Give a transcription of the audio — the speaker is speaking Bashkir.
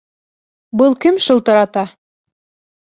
Был кем шылтырата?